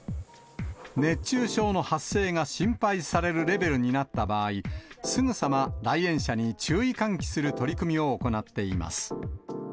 熱中症の発生が心配されるレベルになった場合、すぐさま来園者に注意喚起する取り組みを行っています。